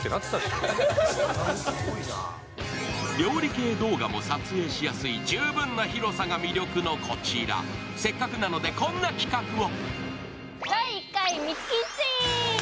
料理系動画も撮影しやすい十分な広さが魅力のこちら、せっかくなので、こんな企画を。